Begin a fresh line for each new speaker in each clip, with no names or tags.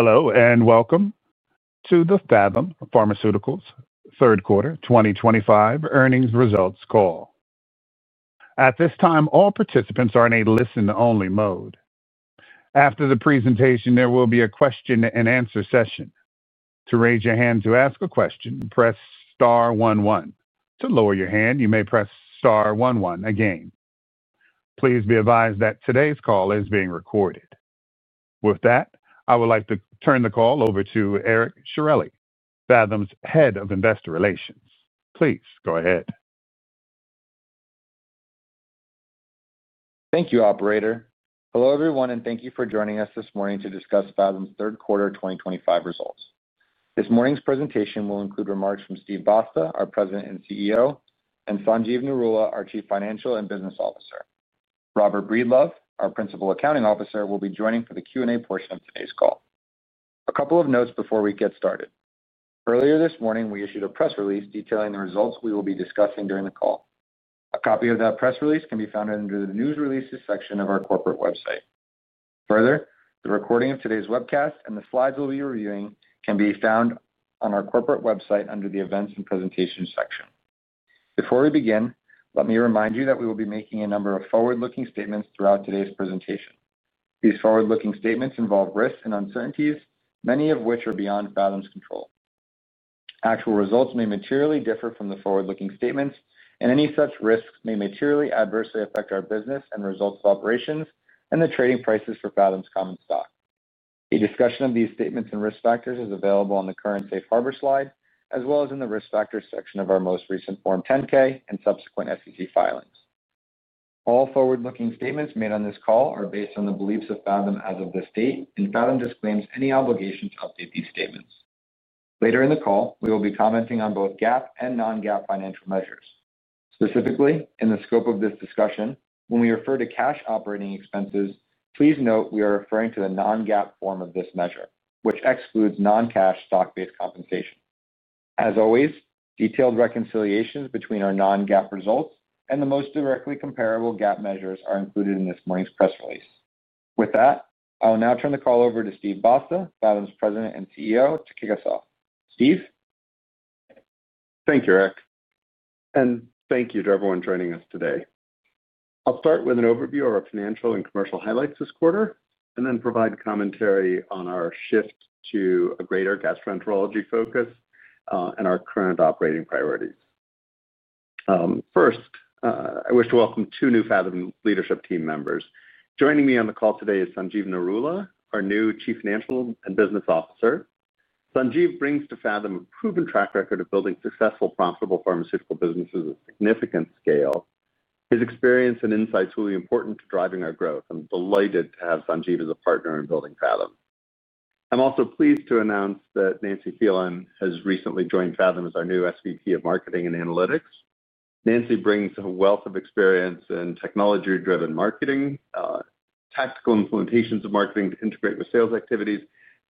Hello and welcome to the Phathom Pharmaceuticals third quarter 2025 earnings results call. At this time, all participants are in a listen only mode. After the presentation, there will be a question-and-answer session. To raise your hand to ask a question, press star one one. To lower your hand, you may press star one one again. Please be advised that today's call is being recorded. With that, I would like to turn the call over to Eric Ciarelli, Phathom's Head of Investor Relations. Please go ahead.
Thank you operator. Hello everyone and thank you for joining us this morning to discuss Phathom's third quarter 2025 results. This morning's presentation will include remarks from Steven Basta, our President and CEO, and Sanjeev Narula, our Chief Financial and Business Officer. Robert Breedlove, our Principal Accounting Officer, will be joining for the Q&A portion of today's call. A couple of notes before we get started. Earlier this morning we issued a press release detailing the results we will be discussing during the call. A copy of that press release can be found under the news releases section of our corporate website. Further, the recording of today's webcast and the slides we'll be reviewing can be found on our corporate website under the Events and Presentations section. Before we begin, let me remind you that we will be making a number of forward looking statements throughout today's presentation. These forward looking statements involve risks and uncertainties, many of which are beyond Phathom's control. Actual results may materially differ from the forward looking statements and any such risks may materially adversely affect our business and results of operations and the trading prices for Phathom's common stock. A discussion of these statements and risk factors is available on the current Safe Harbor slide as well as in the Risk Factors section of our most recent Form 10-K and subsequent SEC filings. All forward looking statements made on this call are based on the beliefs of. Phathom as of this date and Phathom. Disclaims any obligation to update these statements. Later in the call we will be commenting on both GAAP and Non-GAAP financial measures. Specifically, in the scope of this discussion, when we refer to cash operating expenses, please note we are referring to the Non-GAAP form of this measure, which excludes non-cash stock-based compensation. As always, detailed reconciliations between our Non-GAAP results and the most directly comparable GAAP measures are included in this morning's press release. With that, I will now turn the. Call over to Steve Basta, Phathom's President and CEO to kick us off. Steve.
Thank you, Eric. And thank you to everyone joining us. Today I'll start with an overview of our financial and commercial highlights this quarter and then provide commentary on our shift to a greater gastroenterology focus and our current operating priorities. First, I wish to welcome two new Phathom leadership team members. Joining me on the call today is Sanjeev Narula, our new Chief Financial and Business Officer. Sanjeev brings to Phathom a proven track record of building successful, profitable pharmaceutical businesses at significant scale. His experience and insights will be important to driving our growth. I'm delighted to have Sanjeev as a partner in building Phathom. I'm also pleased to announce that Nancy Thielen has recently joined Phathom as our new Senior Vice President of Marketing and Analytics. Nancy brings a wealth of experience in technology-driven marketing, tactical implementations of marketing to integrate with sales activities,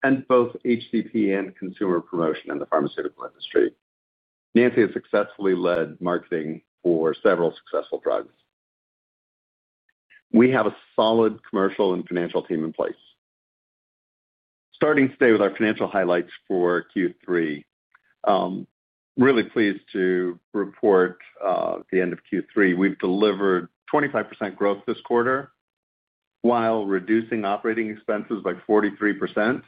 and both HCP and consumer promotion in the pharmaceutical industry. Nancy has successfully led marketing for several successful drugs. We have a solid commercial and financial team in place. Starting today with our financial highlights for Q3, really pleased to report the end of Q3 we've delivered 25% growth this quarter while reducing operating expenses by 43%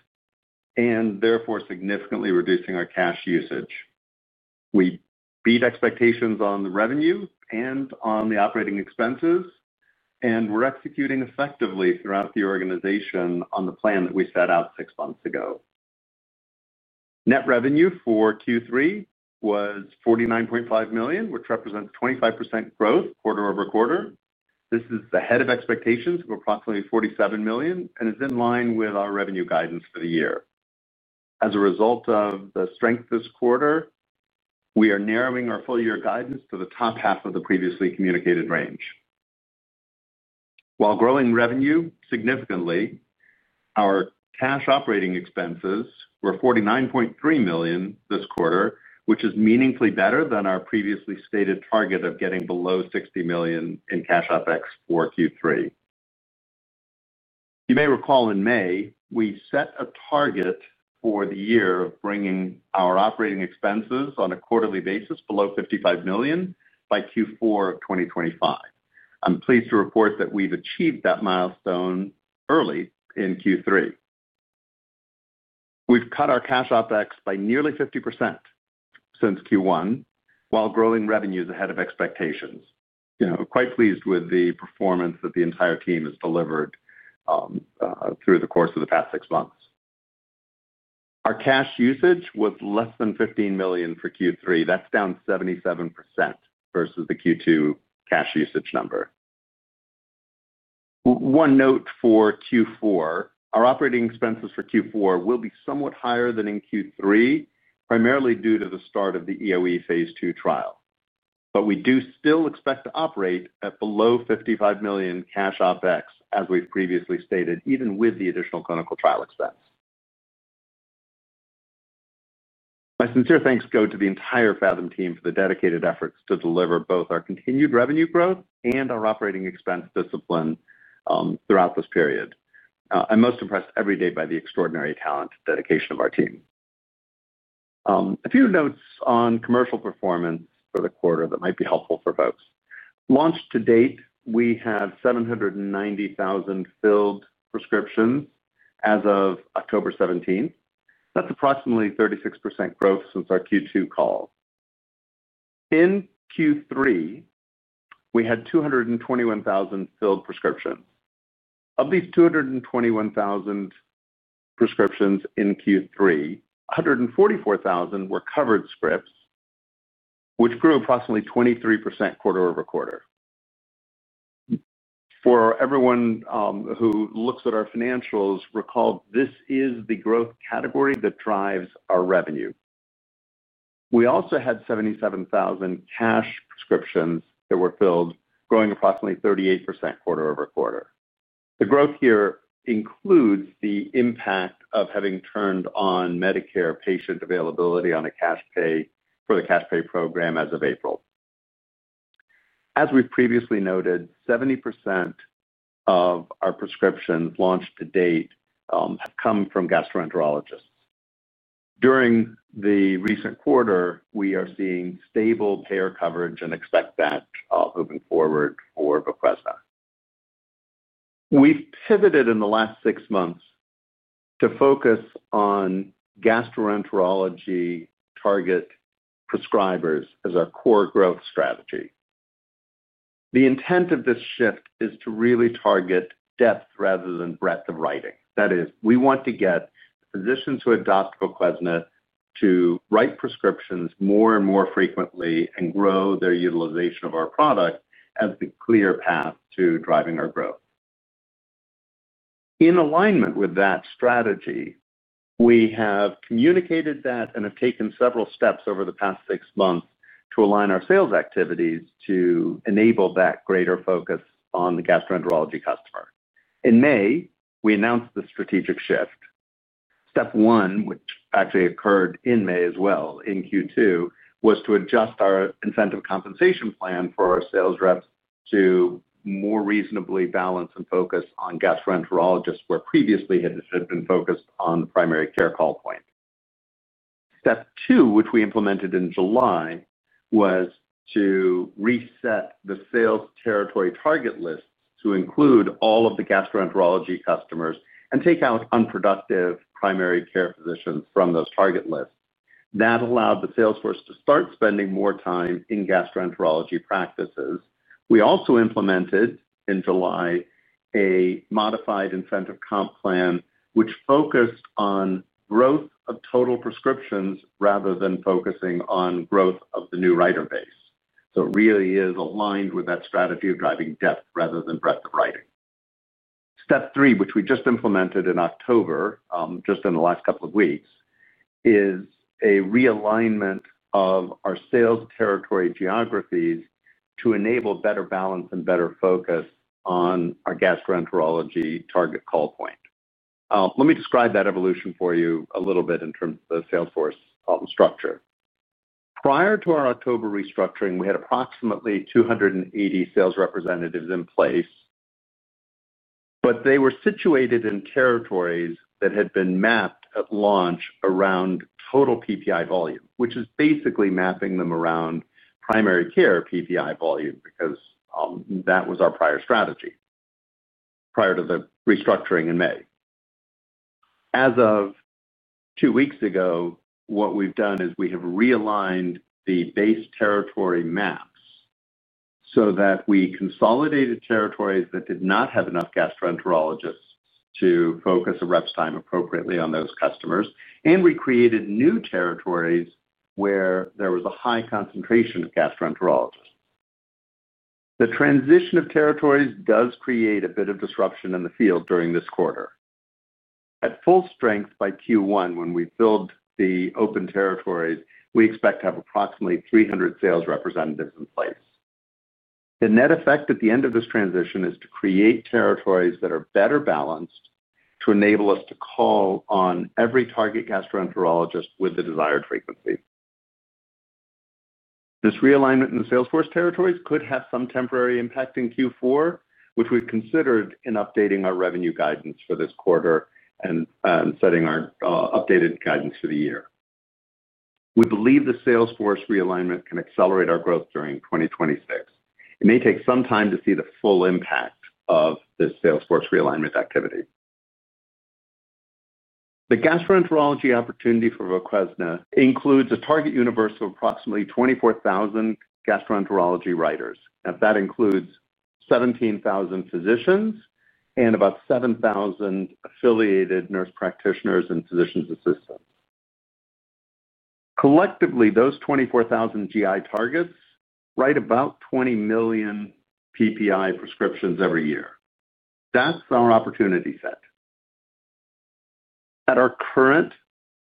and therefore significantly reducing our cash usage. We beat expectations on the revenue and on the operating expenses, and we're executing effectively throughout the organization on the plan that we set out six months ago. Net revenue for Q3 was $49.5 million, which represents 25% growth quarter-over-quarter. This is ahead of expectations of approximately $47 million and is in line with our revenue guidance for the year. As a result of the strength this quarter, we are narrowing our full year guidance to the top half of the previously communicated range while growing revenue significantly. Our cash operating expenses were $49.3 million this quarter, which is meaningfully better than our previously stated target of getting below $60 million in cash OpEx for Q3. You may recall in May we set a target for the year of bringing our operating expenses on a quarterly basis below $55 million by Q4 2025. I'm pleased to report that we've achieved that milestone early in Q3. We've cut our cash OpEx by nearly 50% since Q1 while growing revenues ahead of expectations. Quite pleased with the performance that the entire team has delivered through the course of the past six months. Our cash usage was less than $15 million for Q3. That's down 77% versus the Q2 cash usage number. One note for Q4, our operating expenses for Q4 will be somewhat higher than in Q3, primarily due to the start of the eosinophilic esophagitis (EOE) Phase II trial, but we do still expect to operate at below $55 million cash operating expenses as we've previously stated, even with the additional clinical trial expense. My sincere thanks go to the entire Phathom Pharmaceuticals team for the dedicated efforts to deliver both our continued revenue growth and our operating expense discipline throughout this period. I'm most impressed every day by the extraordinary talent and dedication of our team. A few notes on commercial performance for the quarter that might be helpful for folks. Launch to date, we have 790,000 filled prescriptions as of October 17th. That's approximately 36% growth since our Q2 call. In Q3, we had 221,000 filled prescriptions. Of these 221,000 prescriptions in Q3, 144,000 were covered scripts, which grew approximately 23% quarter-over-quarter. For everyone who looks at our financials, recall, this is the growth category that drives our revenue. We also had 77,000 cash prescriptions that were filled, growing approximately 38% quarter-over-quarter. The growth here includes the impact of having turned on Medicare patient availability on a cash pay for the cash pay program as of April. As we previously noted, 70% of our prescriptions launched to date have come from gastroenterologists. During the recent quarter, we are seeing stable payer coverage and expect that moving forward. For VOQUEZNA, we've pivoted in the last six months to focus on gastroenterology target prescribers as our core growth strategy. The intent of this shift is to really target depth rather than breadth of writing. That is, we want to get physicians who adopt VOQUEZNA to write prescriptions more and more frequently and grow their utilization of our product as the clear path to driving our growth. In alignment with that strategy, we have communicated that and have taken several steps over the past six months to align our sales activities to enable that greater focus on the gastroenterology customer. In May, we announced the strategic shift. Step one, which actually occurred in May as well. In Q2 was to adjust our incentive compensation plan for our sales reps to more reasonably balance and focus on gastroenterologists where previously it had been focused on the primary care call point. Step two, which we implemented in July, was to reset the sales territory target list to include all of the gastroenterology customers and take out unproductive primary care physicians from those target lists. That allowed the salesforce to start spending more time in gastroenterology practices. We also implemented in July a modified incentive compensation plan which focused on growth of total prescriptions rather than focusing on growth of the new writer base. It really is aligned with that strategy of driving depth rather than breadth of writing. Step three, which we just implemented in October, just in the last couple of weeks, is a realignment of our sales territory geographies to enable better balance and better focus on our gastroenterology target call point. Let me describe that evolution for you a little bit in terms of the salesforce structure. Prior to our October restructuring, we had approximately 280 sales representatives in place. They were situated in territories that had been mapped at launch around total PPI volume, which is basically mapping them around primary care PPI volume because that was our prior strategy prior to the restructuring in May. As of two weeks ago, what we've done is we have realigned the base territory maps so that we consolidated territories that did not have enough gastroenterologists to focus a rep's time appropriately on those customers. We created new territories where there was a high concentration of gastroenterologists. The transition of territories does create a bit of disruption in the field. During this quarter at full strength, by Q1, when we fill the open territories, we expect to have approximately 300 sales representatives in place. The net effect at the end of this transition is to create territories that are better balanced to enable us to call on every target gastroenterologist with the desired frequency. This realignment in the salesforce territories could have some temporary impact in Q4, which we've considered in updating our revenue guidance for this quarter and setting our updated guidance for the year. We believe the salesforce realignment can accelerate our growth during 2026. It may take some time to see the full impact of this salesforce realignment activity. The gastroenterology opportunity for VOQUEZNA includes a target universe of approximately 24,000 gastroenterology writers. That includes 17,000 physicians and about 7,000 affiliated nurse practitioners and physician assistants. Collectively, those 24,000 GI targets write about 20 million PPI prescriptions every year. That's our opportunity. Set at our current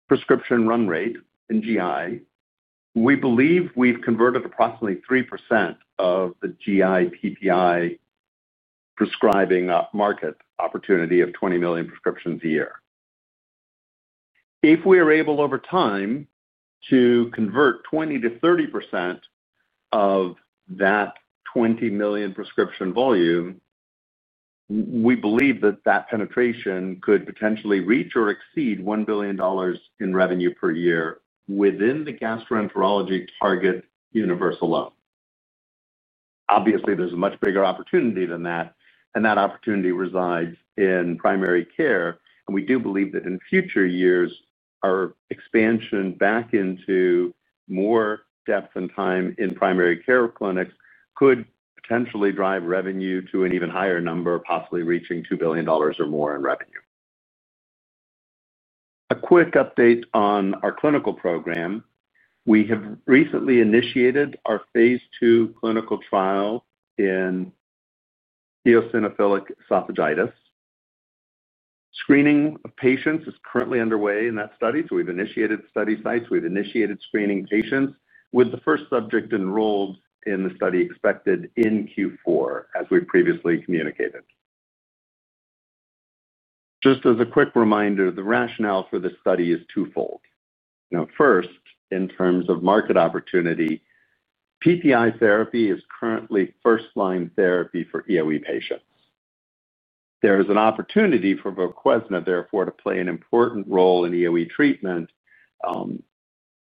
prescription run rate in GI, we believe we've converted approximately 3% of the GI PPI prescribing market opportunity of 20 million prescriptions a year. If we are able over time to convert 20%-30% of that 20 million prescription volume, we believe that that penetration could potentially reach or exceed $1 billion in revenue per year within the gastroenterology target universe alone. Obviously, there's a much bigger opportunity than that, and that opportunity resides in primary care. We do believe that in future years, our expansion back into more depth and time in primary care clinics could potentially drive revenue to an even higher number, possibly reaching $2 billion or more in revenue. A quick update on our clinical program: we have recently initiated our Phase II clinical trial in eosinophilic esophagitis. Screening of patients is currently underway in that study, so we've initiated study sites. We've initiated screening patients with the first subject enrolled in the study expected in Q4 as we previously communicated. Just as a quick reminder, the rationale for this study is twofold. First, in terms of market opportunity, PPI therapy is currently first line therapy for EOE patients. There is an opportunity for VOQUEZNA, therefore, to play an important role in EOE treatment,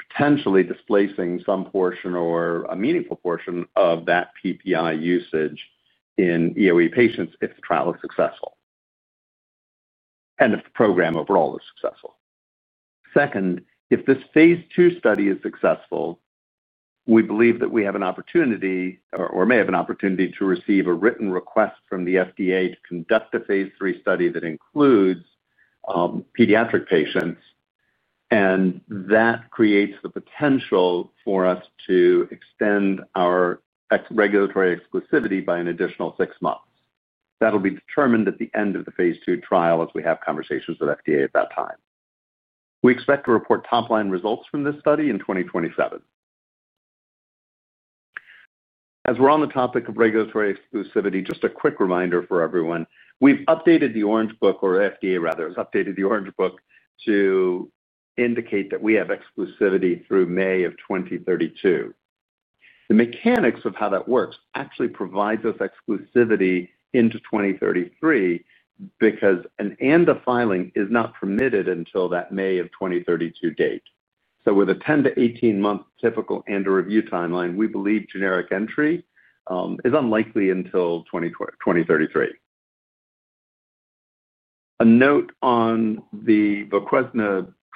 potentially displacing some portion or a meaningful portion of that PPI usage in EOE patients if the trial is successful and if the program overall is successful. Second, if this Phase II study is successful, we believe that we have an opportunity, or may have an opportunity to receive a written request from the FDA to conduct a Phase III study that includes pediatric patients and that creates the potential for us to extend our regulatory exclusivity by an additional six months. That will be determined at the end of the Phase II trial as we have conversations with FDA at that time. We expect to report top-line results from this study in 2027. As we're on the topic of regulatory exclusivity, just a quick reminder for everyone, we've updated the Orange Book, or FDA rather has updated the Orange Book, to indicate that we have exclusivity through May of 2032. The mechanics of how that works actually provides U.S. exclusivity into 2033 because an ANDA filing is not permitted until that May of 2032 date. With a 10-18 month typical ANDA review timeline, we believe generic entry is unlikely until 2033. A note on the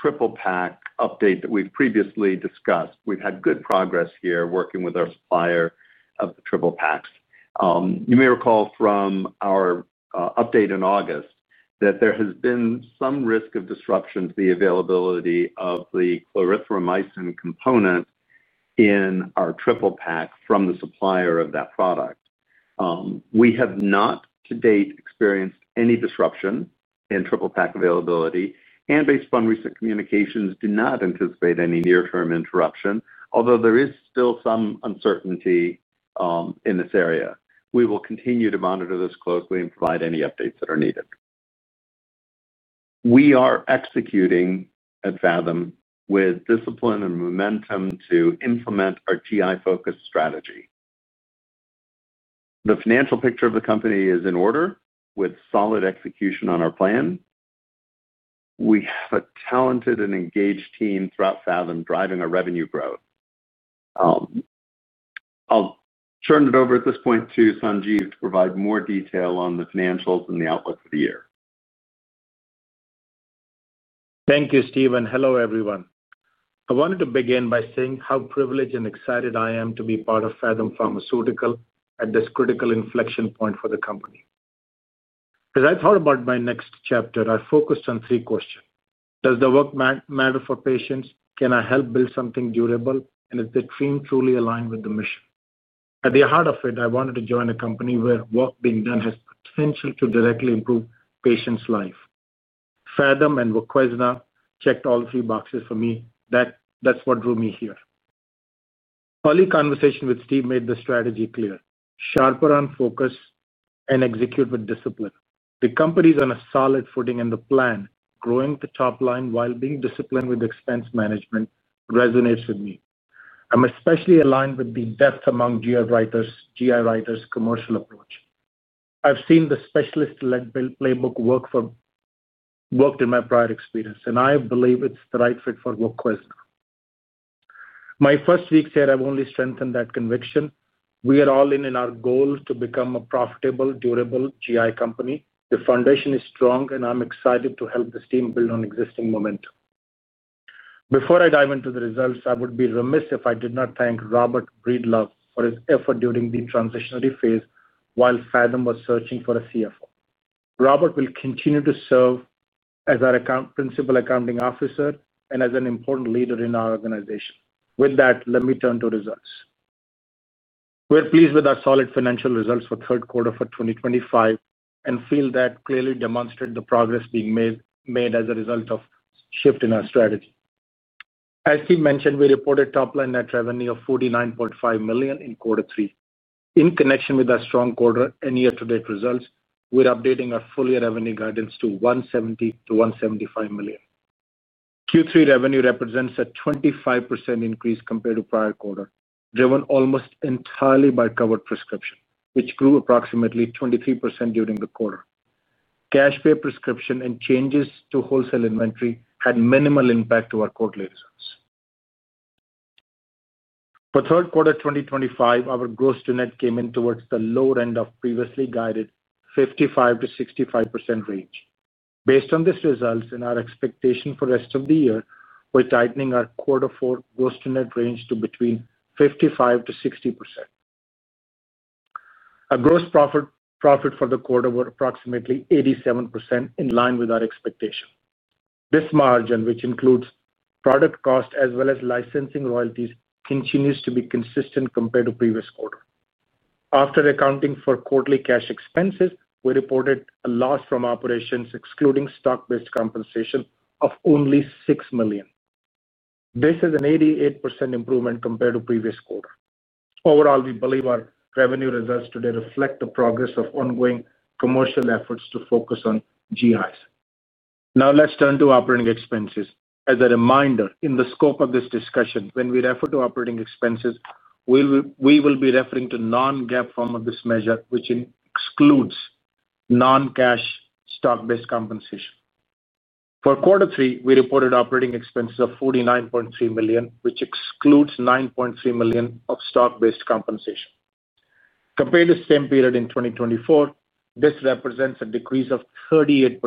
triple pack update that we've previously discussed, we've had good progress here working with our supplier of the triple packs. You may recall from our update in August that there has been some risk of disruption to the availability of the clarithromycin component in our triple pack from the supplier of that product. We have not to date experienced any disruption in triple pack availability and, based upon recent communications, do not anticipate any near term interruption. Although there is still some uncertainty in this area, we will continue to monitor this closely and provide any updates that are needed. We are executing at Phathom Pharmaceuticals with discipline and momentum to implement our TI focused strategy. The financial picture of the company is in order with solid execution on our plan. We have a talented and engaged team throughout Phathom Pharmaceuticals driving our revenue growth. I'll turn it over at this point to Sanjeev to provide more detail on the financials and the outlook for the year.
Thank you, Steve, and hello everyone. I wanted to begin by saying how privileged and excited I am to be part of Phathom Pharmaceuticals at this critical inflection point for the company. As I thought about my next chapter, I focused on three questions. Does the work matter for patients? Can I help build something durable? Is the team truly aligned with the mission at the heart of it? I wanted to join a company where work being done has essential to directly improve patients' life. Phathom and VOQUEZNA checked all three boxes for me. That's what drew me here. My conversation with Steve made the strategy clear, sharper on focus, and execute with discipline. The company's on a solid footing, and the plan growing the top line while being disciplined with expense management resonates with me. I'm especially aligned with the depth among GI writers. GI writers' commercial approach research, I've seen the specialist-led playbook work in my prior experience, and I believe it's the right fit for VOQUEZNA. My first weeks here have only strengthened that conviction. We are all in our goal to become a profitable, durable GI company. The foundation is strong, and I'm excited to help this team build on existing momentum. Before I dive into the results, I would be remiss if I did not thank Robert Breedlove for his effort during the transitionary phase while Phathom was searching for a CFO. Robert will continue to serve as our Principal Accounting Officer and as an important leader in our organization. With that, let me turn to results. We're pleased with our solid financial results for the third quarter of 2025 and feel they clearly demonstrate the progress being made as a result of the shift in our strategy. As Steve mentioned, we reported top-line net revenue of $49.5 million in Q3. In connection with our strong quarter and year-to-date results, we're updating our full-year revenue guidance to $170 million- $175 million. Q3 revenue represents a 25% increase compared to the prior quarter, driven almost entirely by covered prescriptions, which grew approximately 23% during the quarter. Cash pay prescriptions and changes to wholesale inventory had minimal impact to our quarterly. Results. For third quarter 2025, our gross-to-net came in towards the lower end of the previously guided 55%-65% range. Based on this result and our expectation for the rest of the year, we're tightening our Q4 gross-to-net range to between 55%-60%. Our gross profit for the quarter was approximately 87%, in line with our expectation. This margin, which includes product cost as well as licensing royalties, continues to be consistent compared to the previous quarter. After accounting for quarterly cash expenses, we reported a loss from operations excluding stock-based compensation of only $6 million. This is an 88% improvement compared to the previous quarter. Overall, we believe our revenue results today reflect the progress of ongoing commercial efforts to focus on GI. Now let's turn to operating expenses. As a reminder, in the scope of this discussion, when we refer to operating expenses, we will be referring to the Non-GAAP form of this measure, which excludes non-cash stock-based compensation. For Q3, we reported operating expenses of $49.3 million, which excludes $9.3 million of stock-based compensation. Compared to the same period in 2024, this represents a decrease of 38%.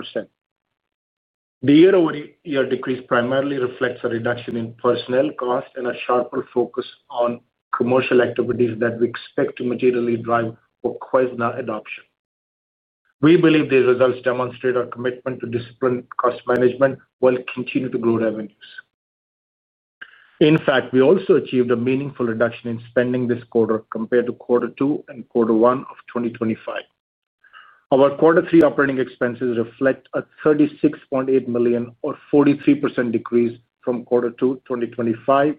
The year-over-year decrease primarily reflects a reduction in personnel cost and a sharper focus on commercial activities that we expect to materially drive VOQUEZNA adoption. We believe these results demonstrate our commitment to disciplined cost management while continuing to grow revenues. In fact, we also achieved a meaningful reduction in spending this quarter. Compared to Q2 and Q1 of 2025, our Q3 operating expenses reflect a $36.8 million or 43% decrease from Q2 2025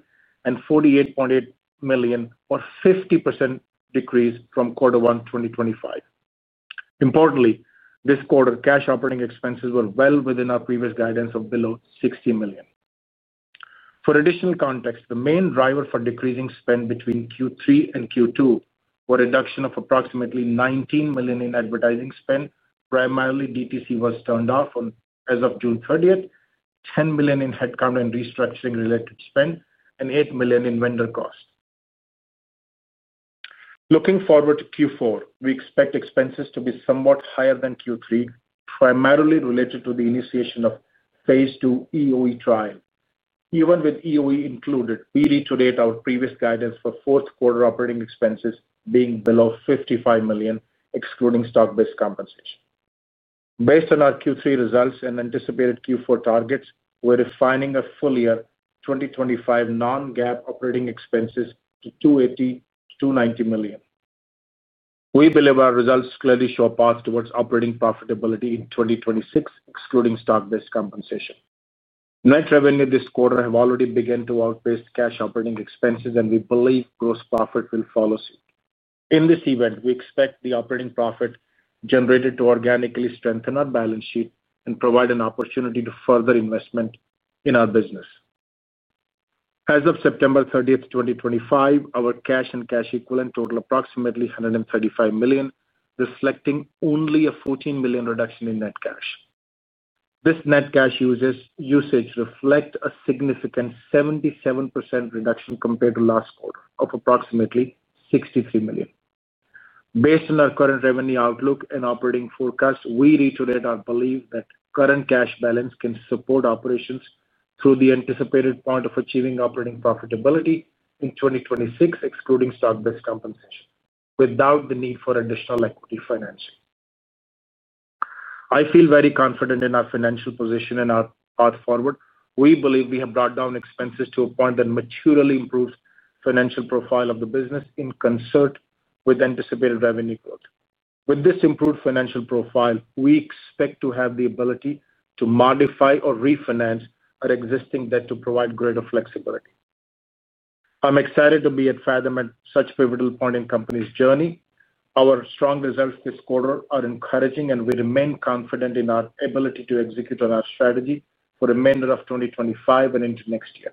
and a $48.8 million or 50% decrease from Q1 2025. Importantly, this quarter cash operating expenses were well within our previous guidance of below $60 million. For additional context, the main driver for decreasing spend between Q3 and Q2 were a reduction of approximately $19 million in advertising spend, primarily DTC was turned off as of June 30, $10 million in headcount and restructuring-related spend, and $8 million in vendor cost. Looking forward to Q4, we expect expenses to be somewhat higher than Q3, primarily related to the initiation of the Phase II EOE trial. Even with EOE included, we reiterate our previous guidance for fourth quarter operating expenses being below $55 million excluding stock-based compensation. Based on our Q3 results and anticipated Q4 targets, we're refining a full year 2025 Non-GAAP operating expenses to $280 million–$290 million. We believe our results clearly show a path towards operating profitability in 2026 excluding stock-based compensation. Net revenue this quarter have already begun to outpace cash operating expenses, and we believe gross profit will follow suit in this event. We expect the operating profit generated to organically strengthen our balance sheet and provide an opportunity to further investment in our business. As of September 30, 2025, our cash and cash equivalents total approximately $135 million, reflecting only a $14 million reduction in net cash. This net cash usage reflects a significant 77% reduction compared to last quarter of approximately $63 million. Based on our current revenue outlook and operating forecast, we reiterate our belief that current cash balance can support operations through the anticipated point of achieving operating profitability in 2026, excluding stock-based compensation, without the need for additional equity financing. I feel very confident in our financial position and our path forward. We believe we have brought down expenses to a point that materially improves financial profile of the business in concert with anticipated revenue growth. With this improved financial profile, we expect to have the ability to modify or refinance our existing debt to provide greater flexibility. I'm excited to be at Phathom Pharmaceuticals at such pivotal point in company's journey. Our strong results this quarter are encouraging, and we remain confident in our ability to execute on our strategy for remainder of 2025 and into next year.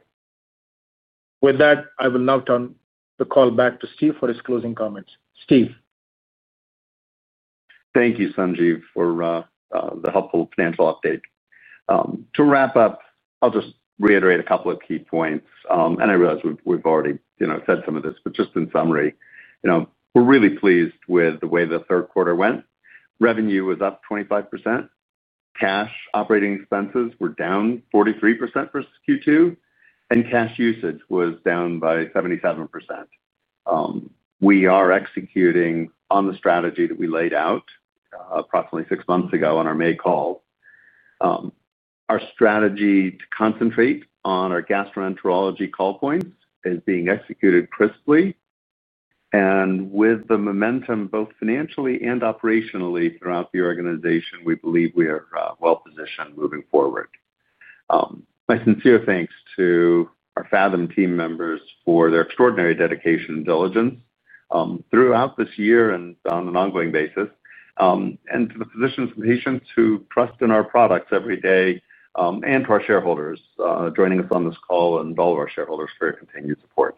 With that, I will now turn the call back to Steve for his closing comments. Steve.
Thank you, Sanjeev, for the helpful financial update. To wrap up, I'll just reiterate a couple of key points, and I realize we've already said some of this, but just in summary, we're really pleased with the way the third quarter went. Revenue was up 25%, cash operating expenses were down 43% versus Q2, and cash usage was down by 77%. We are executing on the strategy that we laid out approximately six months ago on our May call. Our strategy to concentrate on our gastroenterology call points is being executed crisply and with the momentum both financially and operationally throughout the organization, we believe we are well positioned moving forward. My sincere thanks to our Phathom team members for their extraordinary dedication and diligence throughout this year and on an ongoing basis, and to the physicians and patients who trust in our products every day, and to our shareholders joining us on this call and all of our shareholders for continued support.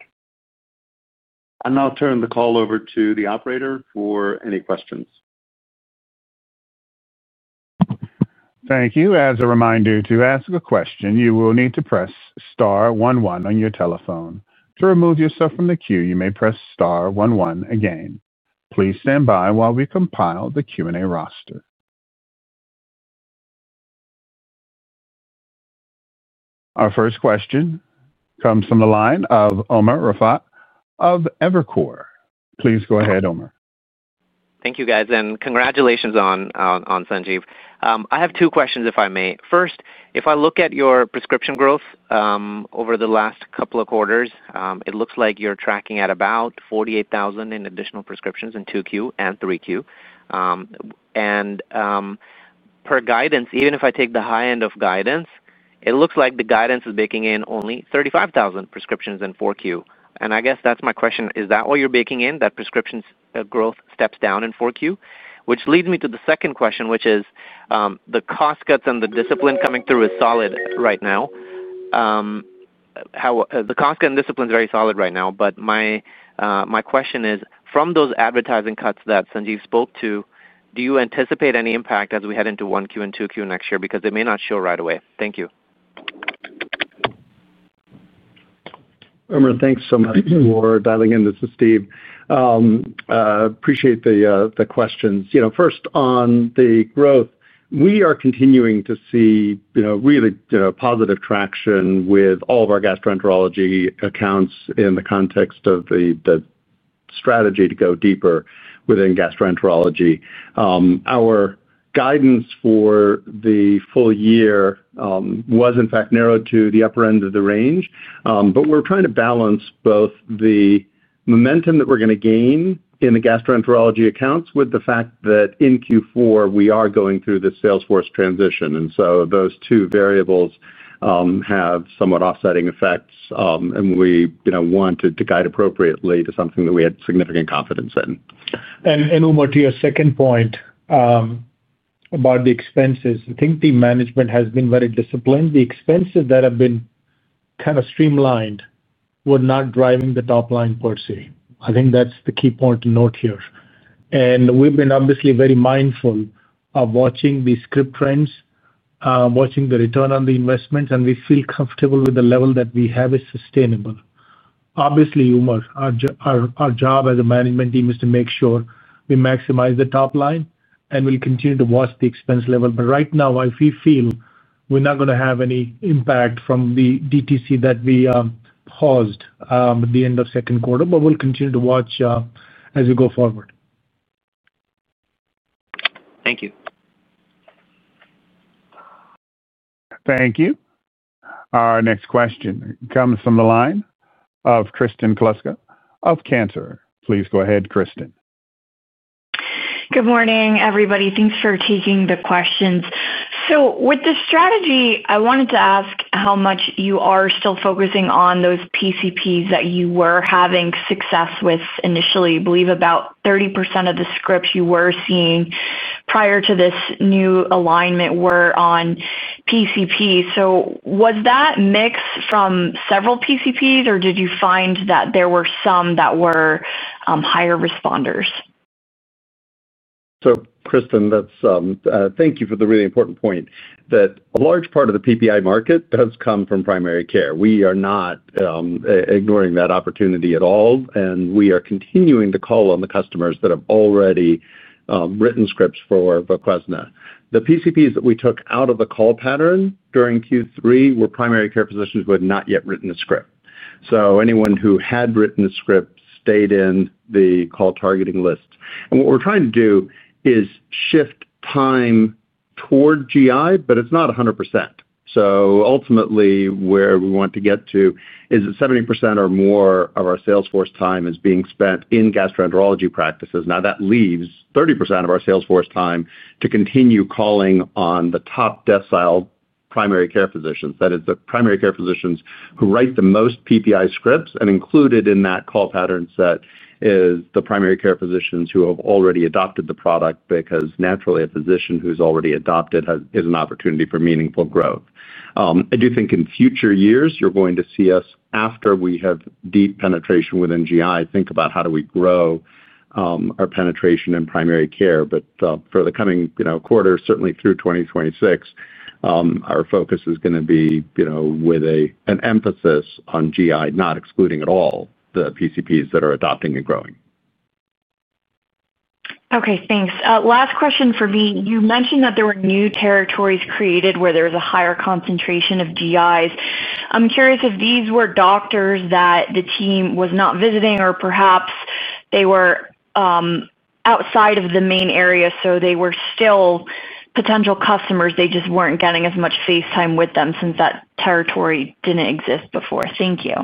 I now turn the call over to the operator for any questions.
Thank you. As a reminder, to ask a question, you will need to press star one one on your telephone to remove yourself from the queue. You may press star one one again. Please stand by while we compile the Q&A roster. Our first question comes from the line of Umer Raffat of Evercore. Please go ahead, Umer.
Thank you, guys, and congratulations on Sanjeev. I have two questions if I may. First, if I look at your prescription growth over the last couple of quarters, it looks like you're tracking at about 48,000 in additional prescriptions in Q2 and Q3, and per guidance. Even if I take the high end of guidance, it looks like the guidance is baking in only 35,000 prescriptions in Q4. I guess that's my question. Is that what you're baking in, that prescription growth steps down in Q4? Which leads me to the second question, which is the cost cuts and the discipline coming through is solid right now. The cost cuts and discipline is very solid right now. My question is, from those advertising cuts that Sanjeev spoke to, do you anticipate any impact as we head into Q1 and Q2 next year? They may not show right away. Thank you.
Umer. Thanks so much for dialing in. This is Steve. Appreciate the questions. First, on the growth, we are continuing to see really positive traction with all of our gastroenterology accounts in the context of the strategy to go deeper within gastroenterology. Our guidance for the full year was in fact narrowed to the upper end of the range. We are trying to balance both the momentum that we're going to gain in the gastroenterology accounts with the fact that in Q4 we are going through the salesforce transition. Those two variables have somewhat offsetting effects. We wanted to guide appropriately to something that we had significant confidence in.
Umer, to your second point about the expenses, I think the management has been very disciplined. The expenses that have been kind of streamlined were not driving the top line per se. I think that's the key point to note here. We've been obviously very mindful of watching the script trends, watching the return on the investments, and we feel comfortable with the level that we have is sustainable. Obviously, Umer, our job as a management team is to make sure we maximize the top line and we'll continue to watch the expense level. Right now, we feel we're not going to have any impact from the DTC that we paused at the end of the second quarter, but we'll continue to watch as we go forward.
Thank you.
Thank you. Our next question comes from the line of Kristen Kluska of Cantor. Please go ahead, Kristen.
Good morning, everybody. Thanks for taking the questions. With the strategy, I wanted to ask how much you are still focusing on those PCPs that you were having success with initially. I believe about 30% of the scripts you were seeing prior to this new alignment were on PCP. Was that mix from several PCPs, or did you find that there were some that were higher responders?
Kristin, thank you for the really important point. Thank you. A large part of the PPI market does come from primary care. We are not ignoring that opportunity at all. We are continuing to call on the customers that have already written scripts for VOQUEZNA. The PCPs that we took out of the call pattern during Q3 were primary care physicians who had not yet written the script. Anyone who had written the script stayed in the call targeting list. What we're trying to do is shift time toward GI, but it's not 100%. Ultimately, where we want to get to is that 70% or more of our salesforce time is being spent in gastroenterology practices now. That leaves 30% of our salesforce time to continue calling on the top decile primary care physicians, that is, the primary care physicians who write the most PPI scripts. Included in that call pattern set is the primary care physicians who have already adopted the product. Naturally, a physician who's already adopted is an opportunity for meaningful growth. I do think in future years you're going to see us, after we have deep penetration within GI, think about how we grow our penetration in primary care. For the coming quarter, certainly through 2026, our focus is going to be with an emphasis on GI, not excluding at all the PCPs that are adopting and growing.
Okay, thanks. Last question for me. You mentioned that there were new territories created where there was a higher concentration of GIs. I'm curious if these were doctors that the team was not visiting or perhaps they were outside of the main area. They were still potential customers. They just weren't getting as much face time with them since that territory didn't exist before. Thank you.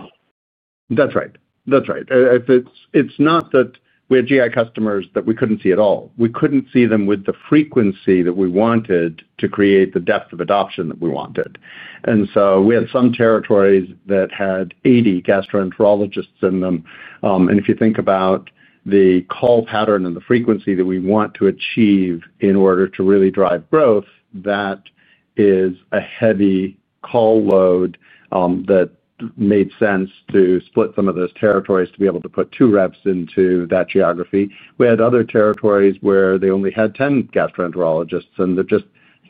That's right. That's right. It's not that we had GI customers that we couldn't see at all. We couldn't see them with the frequency that we wanted to create the depth of adoption that we wanted. We had some territories that had 80 gastroenterologists in them. If you think about the call pattern and the frequency that we want to achieve in order to really drive growth, that is a heavy call load that made sense to split some of those territories to be able to put two reps into that geography. We had other territories where they only had 10 gastroenterologists and they just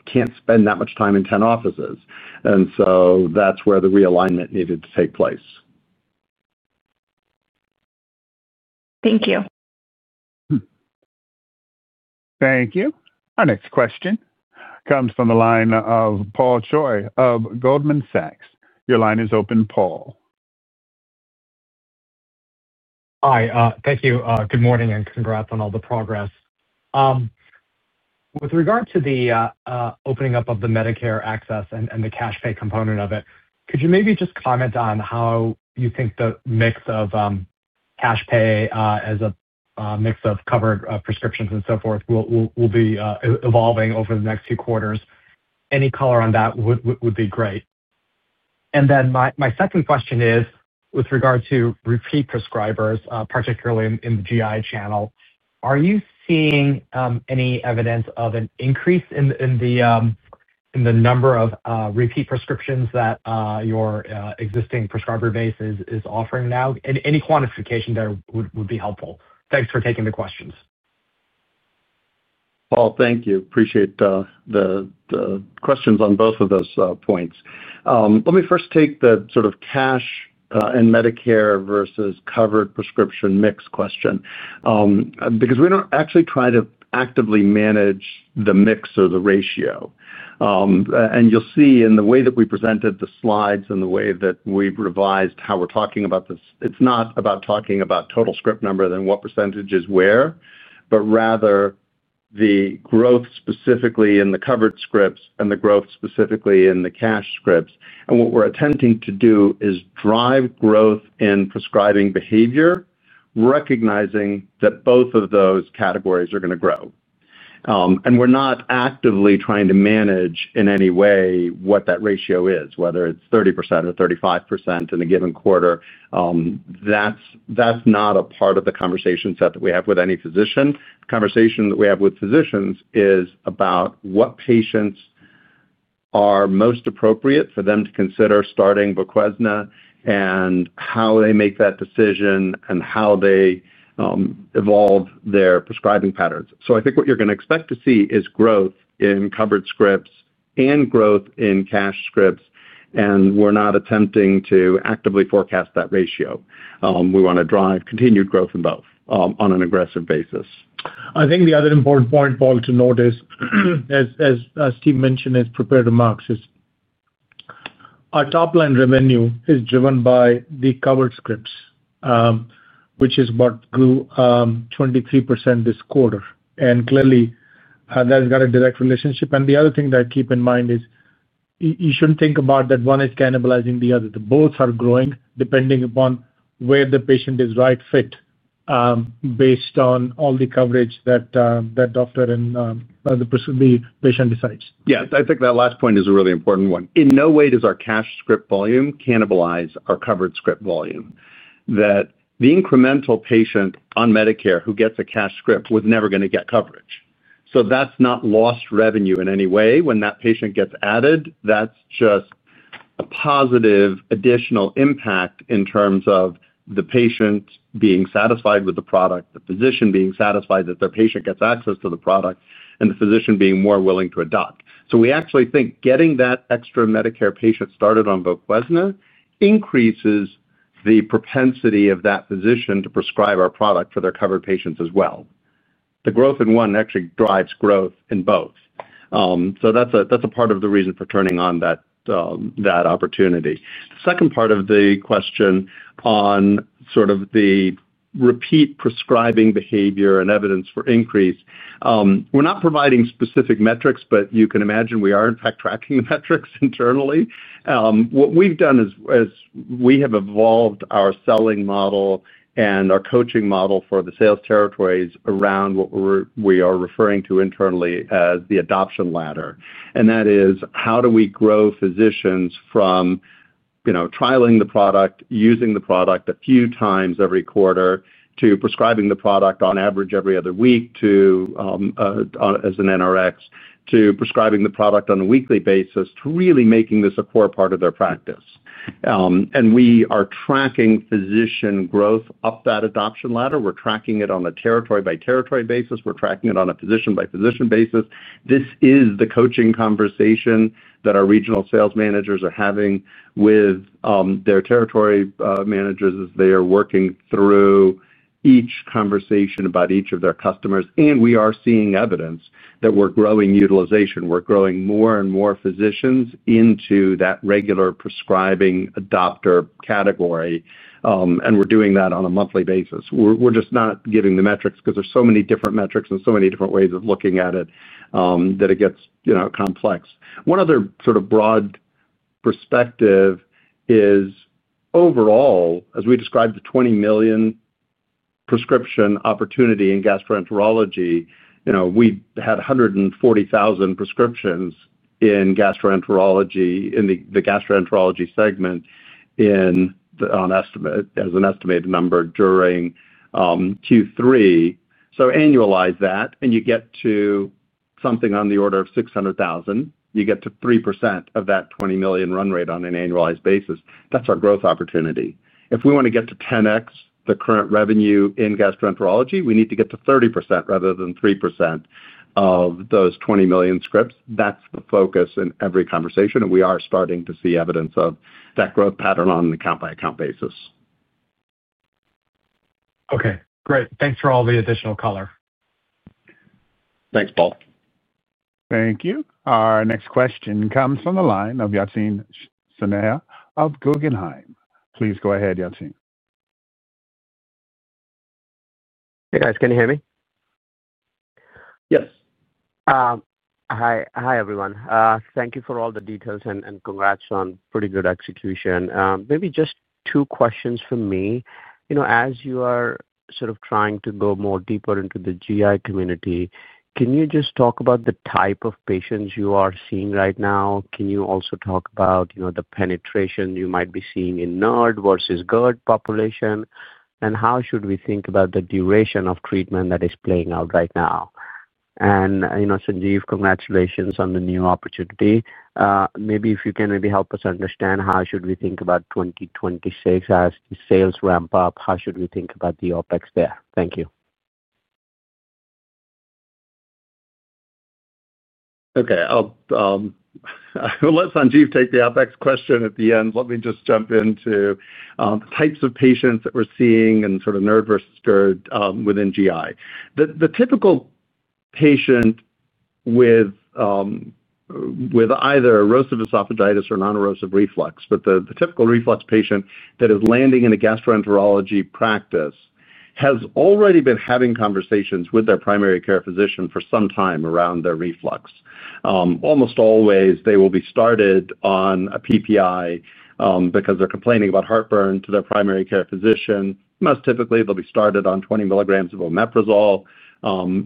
can't spend that much time in 10 offices. That's where the realignment needed to take place.
Thank you.
Thank you. Our next question comes from the line of Paul Choi of Goldman Sachs. Your line is open. Paul,
hi. Thank you. Good morning. Congratulations on all the progress. With. Regarding the opening up of the. Medicare access and the cash pay component of it. Could you maybe just comment on how you think the mix of cash pay. As a mix of covered prescriptions and. Will be evolving over the next few quarters? Any color on that would be great. My second question is with regard to repeat prescribers, particularly in the GI Channel, are you seeing any evidence of an increase in the number of repeat prescriptions that your existing prescriber base is offering now? Any quantification there would be helpful. Thanks for taking the questions.
Thank you. Appreciate the questions on both of those points. Let me first take the sort of cash and Medicare versus covered prescription mix question because we don't actually try to actively manage the mix or the ratio. You'll see in the way that we presented the slides and the way that we've revised how we're talking about this. It's not about talking about total script number, then what percentage is where, but rather the growth specifically in the covered scripts and the growth specifically in the cash scripts. What we're attempting to do is drive growth in prescribing behavior, recognizing that both of those categories are going to grow and we're not actively trying to manage in any way what that ratio is, whether it's the 30% or 35% in a given quarter. That's not a part of the conversation set that we have with any physician. The conversation that we have with physicians is about what patients are most appropriate for them to consider starting VOQUEZNA and how they make that decision and how they evolve their prescribing patterns. I think what you're going to expect to see is growth in covered scripts and growth in cash scripts. We're not attempting to actively forecast that ratio. We want to drive continued growth in both on an aggressive basis.
I think the other important point, Paul, to notice, as Steve mentioned in his prepared remarks, is our top-line revenue is driven by the covered scripts, which is what grew 23% this quarter. That's got a direct relationship. The other thing to keep in mind is you shouldn't think about that one is cannibalizing the other. Both are growing depending upon where the patient is right fit based on all the coverage that doctor and the patient decides.
Yeah, I think that last point is a really important one. In no way does our cash script volume cannibalize our covered script volume, that the incremental patient on Medicare who gets a cash script was never going to get coverage. That's not lost revenue in any way. When that patient gets added, that's just a positive additional impact in terms of the patient being satisfied with the product, the physician being satisfied that their patient gets access to the product, and the physician being more willing to adopt. We actually think getting that extra Medicare patient started on VOQUEZNA increases the propensity of that physician to prescribe our product for their covered patients as well. The growth in one actually drives growth in both. That's a part of the reason for turning on that opportunity. Second part of the question, on sort of the repeat prescribing behavior and evidence for increase. We're not providing specific metrics, but you can imagine we are in fact tracking the metrics internally. What we've done is we have evolved our selling model and our coaching model for the sales territories around what we are referring to internally as the adoption ladder. That is how do we grow physicians from trialing the product, using the product a few times every quarter, to prescribing the product on average every other week as an NRX, to prescribing the product on a weekly basis, to really making this a core part of their practice. We are tracking physician growth up that adoption ladder. We're tracking it on a territory by territory basis. We're tracking it on a physician by physician basis. This is the coaching conversation that our Regional Sales Managers are having with their Territory Managers as they are working through each conversation about each of their customers. We are seeing evidence that we're growing utilization, we're growing more and more physicians into that regular prescribing adopter category. We're doing that on a monthly basis. We're just not giving the metrics because there's so many different metrics and so many different ways of looking at it that it gets complex. One other sort of broad perspective is overall, as we described the 20 million prescription opportunity in gastroenterology, we had 140,000 prescriptions in gastroenterology in the gastroenterology segment as an estimated number during Q3. Annualize that and you get to something on the order of 600,000, you get to 3% of that 20 million run rate on an annualized basis. That's our growth opportunity. If we want to get to 10x the current revenue in gastroenterology, we need to get to 30% rather than 3% of those 20 million scripts. That's the focus in every conversation. We are starting to see evidence of that growth pattern on an account by account basis.
Okay, great. Thanks for all the additional color.
Thanks, Paul.
Thank you. Our next question comes from the line of Yatin Suneja of Guggenheim. Please go ahead, Yanchin.
Hey guys, can you hear me?
Yes.
Hi everyone. Thank you for all the details. Congrats on pretty good execution. Maybe just two questions for me. As you are trying to. Go more deeper into the GI community. Can you just talk about the type of patients you are seeing right now? Can you also talk about the penetration you might be seeing in NERD vs GERD population? How should we think about the duration of treatment that is playing out right now? Sanjeev, congratulations on the new opportunity. Maybe you can help us understand how should we think about 2026. As the sales ramp up? How should we think about the OpEx there? Thank you.
Okay, let Sanjeev take the OpEx question at the end. Let me just jump into the types of patients that we're seeing and sort of NERD versus GERD within GI. The typical patient with either erosive esophagitis or non-erosive reflux, but the typical reflux patient that is landing in a gastroenterology practice has already been having conversations with their primary care physician for some time around their reflux. Almost always they will be started on a PPI because they're complaining about heartburn to their primary care physician. Most typically, they'll be started on 20 mg of omeprazole.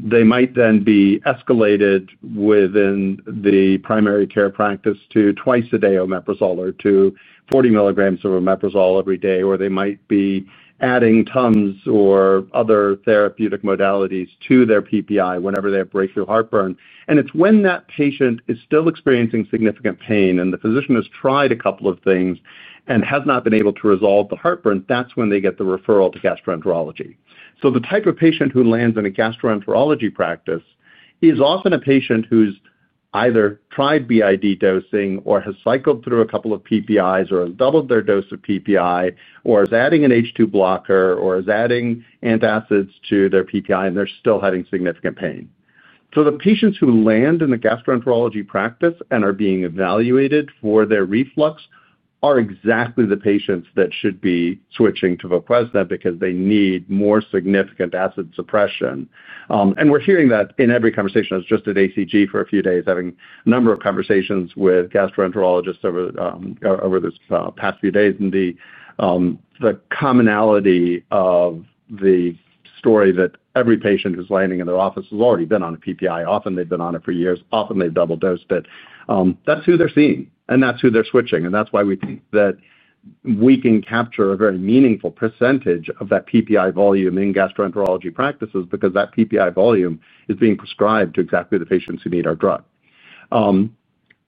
They might then be escalated within the primary care practice to twice a day omeprazole or to 40 mg of omeprazole every day. They might be adding TUMS or other therapeutic modalities to their PPI whenever they have breakthrough heartburn. It's when that patient is still experiencing significant pain and the physician has tried a couple of things and has not been able to resolve the heartburn. That's when they get the referral to gastroenterology. The type of patient who lands in a gastroenterology practice is often a patient who's either tried BID dosing or has cycled through a couple of PPIs or doubled their dose of PPI or is adding an H2 blocker or is adding antacids to their PPI and they're still having significant pain. The patients who land in the gastroenterology practice and are being evaluated for their reflux are exactly the patients that should be switching to VOQUEZNA because they need more significant acid suppression. We're hearing that in every conversation. I was just at ACG for a few days having a number of conversations with gastroenterologists over this past few days. The commonality of the story is that every patient who's landing in their office has already been on a PPI. Often they've been on it for years, often they've double dosed it. That's who they're seeing and that's who they're switching. That's why we think that we can capture a very meaningful percentage of that PPI volume in gastroenterology practices, because that PPI volume is being prescribed to exactly the patients who need our drug.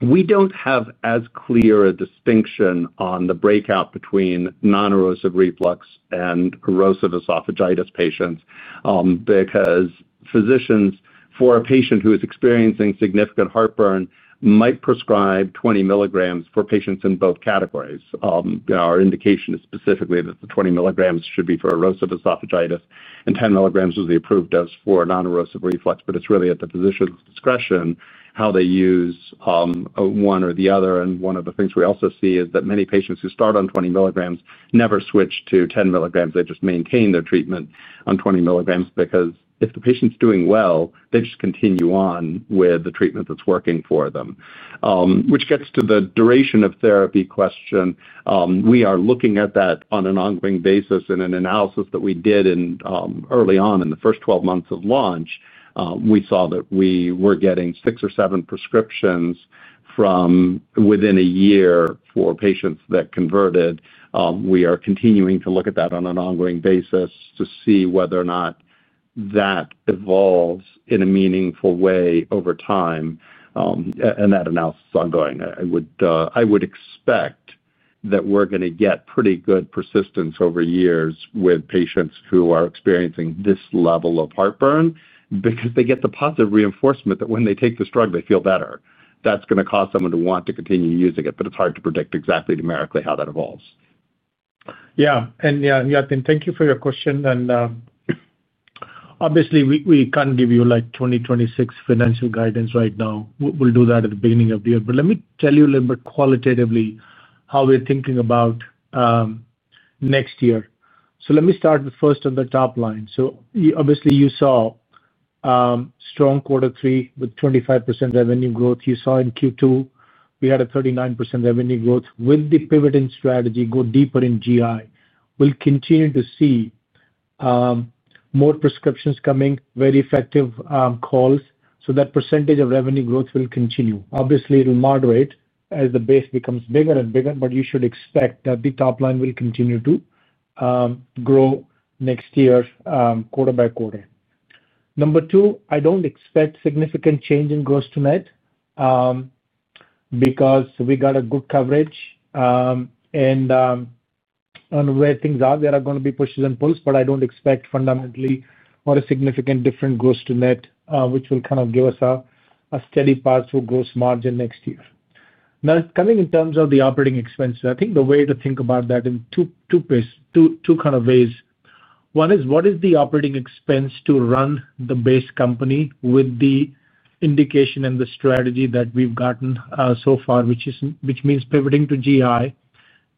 We don't have as clear a distinction on the breakout between non-erosive reflux and erosive esophagitis patients, because physicians for a patient who is experiencing significant heartburn might prescribe 20 mg for patients in both categories. Our indication is specifically that the 20 mg should be for erosive esophagitis and 10 mg is the approved dose for nonerosive reflux. It is really at the physician's discretion how they use one or the other. One of the things we also see is that many patients who start on 20 mg never switch to 10 mg. They just maintain their treatment on 20 mg, because if the patient's doing well, they just continue on with the treatment that's working for them, which gets to the duration of therapy. We are looking at that on an ongoing basis. In an analysis that we did early on in the first 12 months of launch, we saw that we were getting six or seven prescriptions from within a year for patients that converted. We are continuing to look at that on an ongoing basis to see whether or not that evolves in a meaningful way over time. That analysis is ongoing. I would expect that we're going to get pretty good persistence over years with patients who are experiencing this level of heartburn because they get the positive reinforcement that when they take this drug they feel better. That is going to cause someone to want to continue using it. It is hard to predict exactly numerically how that evolves.
Yeah. Yatin, thank you for your question. Obviously we can't give you like 2026 financial guidance right now. We'll do that at the beginning of the year. Let me tell you a little bit qualitatively how we're thinking about next year. Let me start with first on the top line. Obviously you saw strong Q3 with 25% revenue growth. You saw in Q2 we had a 39% revenue growth. With the pivot in strategy to go deeper in GI, we'll continue to see more prescriptions coming, very effective calls. That percentage of revenue growth will continue. Obviously it will moderate as the base becomes bigger and bigger. You should expect that the top line will continue to grow next year quarter by quarter. Number two, I don't expect significant change in gross-to-net because we got a good coverage and where things are there are going to be pushes and pulls. I don't expect fundamentally or a significant different gross-to-net which will kind of give us a steady path through gross margin next year. Now coming in terms of the operating expenses, I think the way to think about that in two ways. One is what is the operating expense to run the base company with the indication and the strategy that we've gotten so far, which means pivoting to GI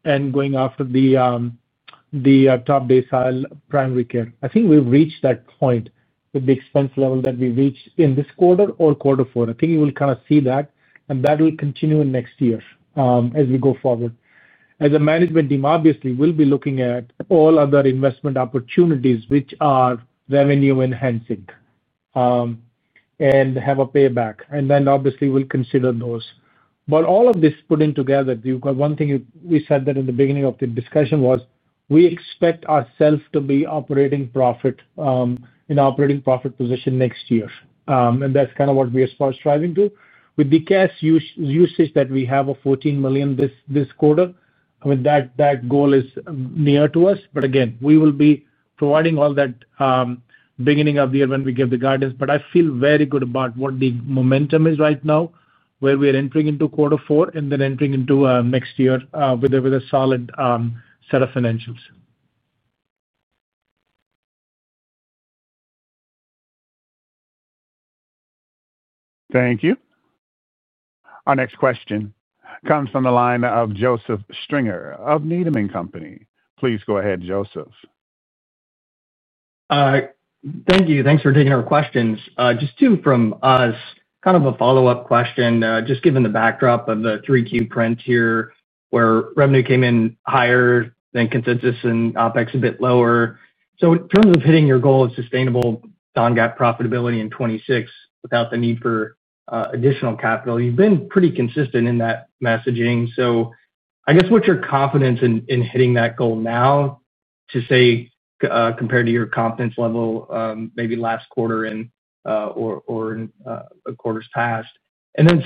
and going after the top decile primary care. I think we've reached that point with the expense level that we reached in this quarter or Q4. I think you will kind of see that and that will continue in next year as we go forward as a management team. Obviously we'll be looking at all other investment opportunities which are revenue enhancing and have a payback and then obviously we'll consider those. All of this putting together, one thing we said at the beginning of the discussion was we expect ourselves to be in operating profit position next year. That's kind of what we are striving to with the cash usage that we have of $14 million this quarter. That goal is near to us. Again, we will be providing all that at the beginning of the year when we give the guidance. I feel very good about what the momentum is right now, where we are entering into Q4 and then entering into next year with a solid set of financials.
Thank you. Our next question comes from the line of Joseph Stringer of Needham and Company. Please go ahead, Joseph.
Thank you. Thanks for taking our questions. Just two from us. Kind of a follow up question just given the backdrop of the Q3 print here where revenue came in higher than consensus and OpEx a bit lower. In terms of hitting your goal of sustainable Non-GAAP profitability in 2026 without the need for additional capital, you've been pretty consistent in that messaging. What's your confidence in. Hitting that goal now to say, compared to your confidence level maybe last quarter or quarters past?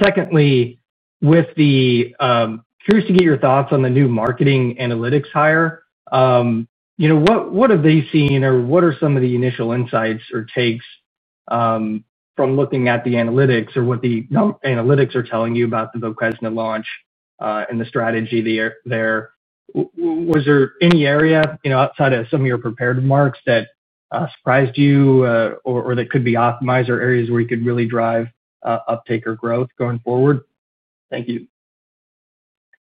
Secondly, curious to get your thoughts on the new marketing analytics hire. What have they seen or what are some of the initial insights or takes from looking at the analytics or what the analytics are telling you about the VOQUEZNA launch and the strategy there? Was there any area outside of some of your prepared remarks that surprised you or that could be optimized or areas. Where you could really drive uptake or growth going forward? Thank you.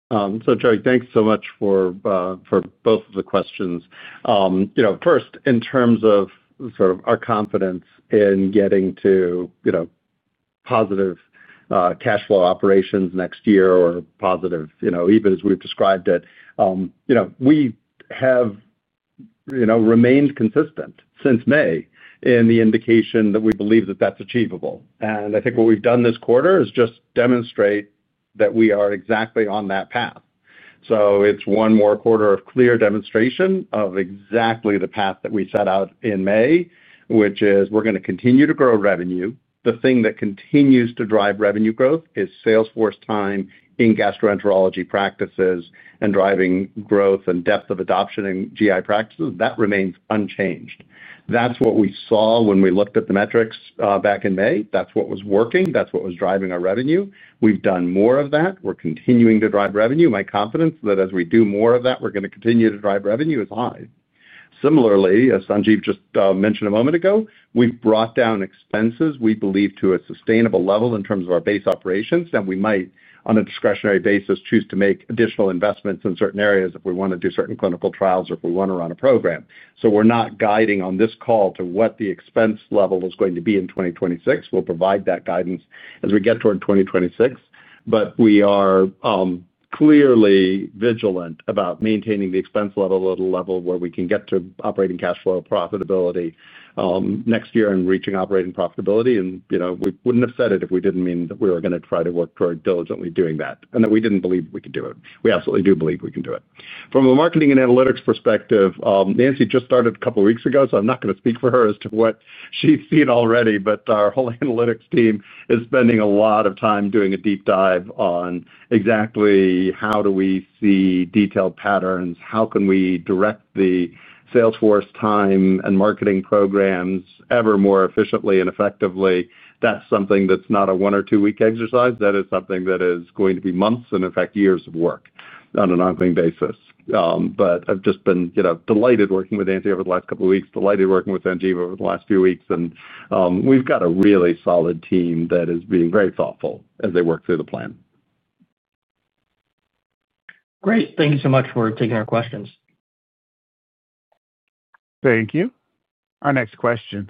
Joseph, thanks so much for both of the questions. First, in terms of our confidence in getting to positive cash flow operations next year or positive, even as we've described it, we have remained consistent since May in the indication that we believe that that's achievable. I think what we've done this quarter is just demonstrate that we are exactly on that path. It is one more quarter of clear demonstration of exactly the path that we set out in May, which is we're going to continue to grow revenue. The thing that continues to drive revenue growth is salesforce time in gastroenterology practices and driving growth and depth of adoption in GI practices. That remains unchanged. That is what we saw when we looked at the metrics back in May. That is what was working. That is what was driving our revenue. We've done more of that. We're continuing to drive revenue. My confidence that as we do more of that, we're going to continue to drive revenue is high. Similarly, as Sanjeev just mentioned a moment ago, we've brought down expenses, we believe, to a sustainable level in terms of our base operations. We might, on a discretionary basis, choose to make additional investments in certain areas if we want to do certain clinical trials or if we want to run a program. We are not guiding on this call to what the expense level is going to be in 2026. We'll provide that guidance as we get toward 2026. We are clearly vigilant about maintaining the expense level at a level where we can get to operating cash flow profitability next year and reaching operating profitability. We wouldn't have said it if we didn't mean that we were going to try to work very diligently doing that and that we didn't believe we could do it. We absolutely do believe we can do it from a marketing and analytics perspective. Nancy just started a couple weeks ago, so I'm not going to speak for her as to what she's seen already. Our whole analytics team is spending a lot of time doing a deep dive on exactly how do we see detailed patterns, how can we direct the salesforce time and marketing programs ever more efficiently and effectively? That is something that's not a one or two week exercise. That is something that is going to be months and in fact years of work on an ongoing basis. I've just been delighted working with Nancy over the last couple of weeks, delighted working with Sanjeev over the last few weeks. We've got a really solid team that is being very thoughtful as they work through the plan.
Great. Thank you so much for taking our questions.
Thank you. Our next question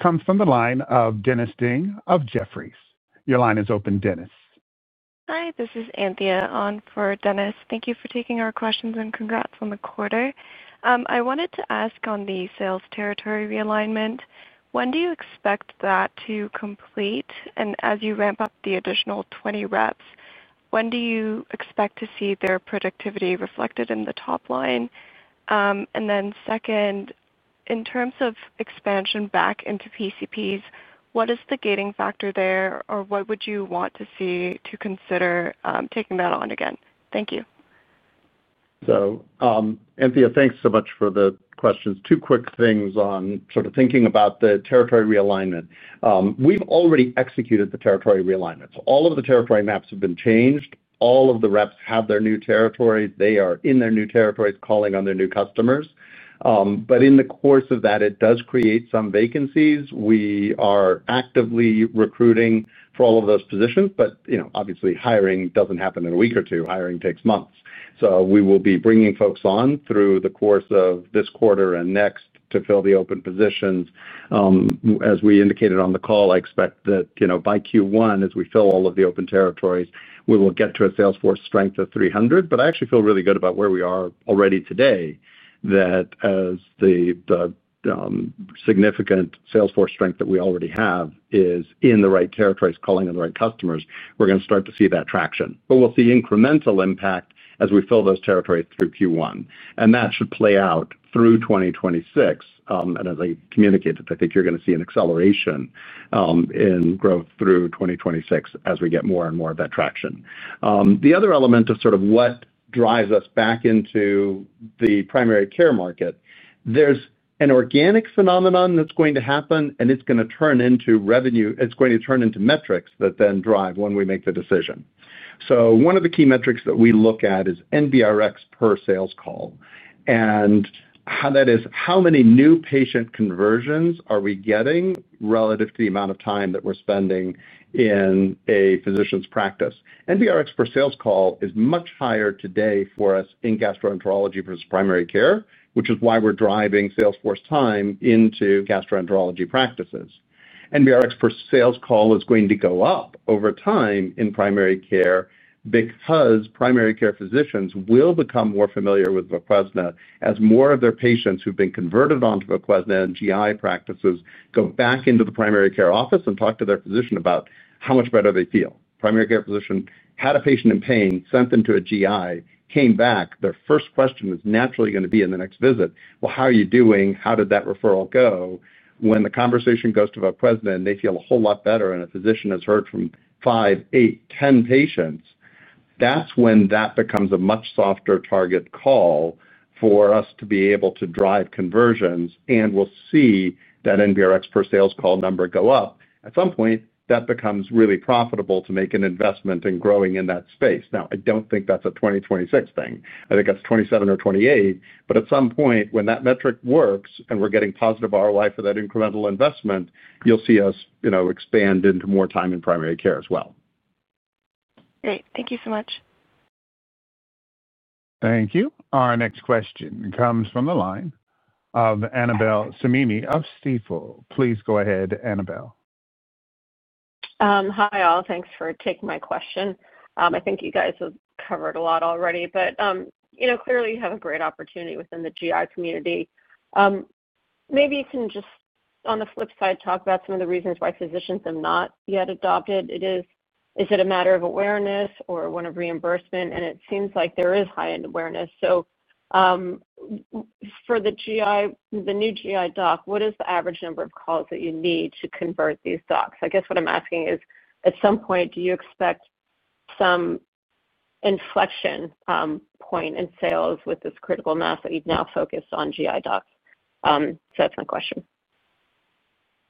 comes from the line of Dennis Ding of Jefferies. Your line is open, Dennis.
Hi, this is Anthea on for Dennis. Thank you for taking our questions and congrats on the quarter. I wanted to ask on the sales territory realignment, when do you expect that to complete, and as you ramp up the additional 20 reps, when do you expect to see their productivity reflected in the top line? Then, second, in terms of expansion back into PCPs, what is the gating factor there or what would you want to see to consider taking that on again? Thank you so much,
Anthea. Thanks so much for the questions. Two quick things on sort of thinking about the territory realignment. We've already executed the territory realignment, so all of the territory maps have been changed. All of the reps have their new territories. They are in their new territories calling on their new customers. In the course of that, it does create some vacancies. We are actively recruiting for all of those positions. Obviously, hiring doesn't happen in a week or two. Hiring takes months. We will be bringing folks on through the course of this quarter and next to fill the open positions as we indicated on the call. I expect that by Q1, as we fill all of the open territories, we will get to a salesforce strength of 300. I actually feel really good about where we are already today. The significant salesforce strength that we already have is in the right territories calling in the right customers, we're going to start to see that traction. We'll see incremental impact as we fill those territories through Q1 and that should play out through 2026. As I communicated, I think you're going to see an acceleration in growth through 2026 as we get more and more of that traction. The other element of sort of what drives us back into the primary care market, there's an organic phenomenon that's going to happen and it's going to turn into revenue, it's going to turn into metrics that then drive when we make the decision. One of the key metrics that we look at is NBRx per sales call, and that is how many new patient conversions are we getting relative to the amount of time that we're spending in a physician's practice. NBRx per sales call is much higher today for us in gastroenterology versus primary care, which is why we're driving salesforce time into gastroenterology practices. NBRx per sales call is going to go up over time in primary care because primary care physicians will become more familiar with VOQUEZNA as more of their patients who've been converted onto VOQUEZNA in GI practices go back into the primary care office and talk to their physician about how much better they feel. Primary care physician had a patient in pain, sent them to a GI, came back, their first question is naturally going to be in the next visit, how are you doing, how did that referral go? When the conversation goes to the present, they feel a whole lot better. A physician has heard from 5, 8, 10 patients. That becomes a much softer target call for us to be able to drive conversions. We will see that NBRX per sales call number go up. At some point, that becomes really profitable to make an investment in growing in that space. I do not think that is a 2026 thing. I think that is 2027 or 2028. At some point, when that metric works and we are getting positive ROI for that incremental investment, you will see us expand into more time in primary care as well.
Great. Thank you so much.
Thank you. Our next question comes from the line of Annabel Samimy of Stifel. Please go ahead, Annabel.
Hi all. Thanks for taking my question. I think you guys covered a lot already, but clearly you have a great opportunity within the GI community. Maybe you can just, on the flip side, talk about some of the reasons why physicians have not yet adopted. Is it a matter of awareness or one of reimbursement? It seems like there is high-end awareness. For the new GI doc, what is the average number of calls that you need to convert these docs? I guess what I'm asking is, at some point, do you expect some inflection point in sales with this critical mass that you've now focused on GI docs? That's my question.